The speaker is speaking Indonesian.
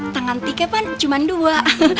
tangan tike pan cuman dua